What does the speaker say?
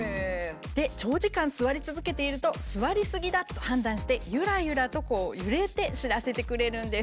で長時間座り続けていると「座りすぎだ」と判断してゆらゆらと揺れて知らせてくれるんです。